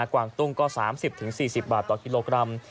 กวางตุ้งก็๓๐๔๐บาทต่อกิโลกรัม